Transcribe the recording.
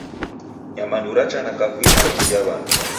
Nyamandu racha kavui na mizi ya w'andu.